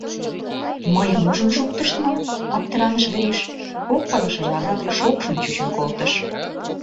«Мыйым ужын шуктышт мо?» — аптыраныш Гриш, кок пылышыжланат шокшын чучын колтыш.